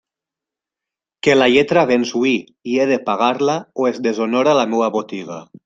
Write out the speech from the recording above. Que la lletra venç hui, i he de pagar-la o es deshonora la meua botiga.